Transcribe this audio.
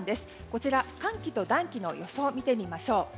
こちら、寒気と暖気の予想見てみましょう。